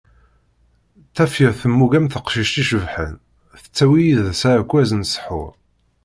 Tafya temmug am teqcict icebḥen, tettawi yid-s aɛekkaz n ssḥur.